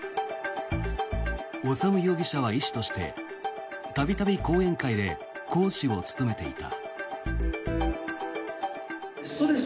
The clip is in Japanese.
修容疑者は医師として度々、講演会で講師を務めていた。